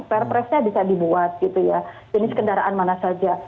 perpresnya bisa dibuat jenis kendaraan mana saja